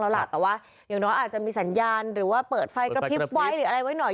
อย่างน้อยอาจจะมีสัญญาณหรือว่าเปิดไฟกระพริบไว้หรืออะไรไว้หน่อย